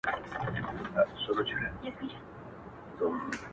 د مخ پر لمر باندي ،دي تور ښامار پېكى نه منم.